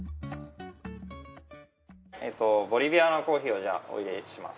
ボリビアのコーヒーをお淹れします。